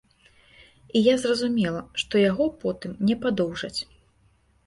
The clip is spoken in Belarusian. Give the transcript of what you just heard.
І я зразумела, што яго потым не падоўжаць.